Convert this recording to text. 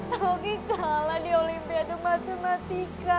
kalau oki kalah di olimpiade matematika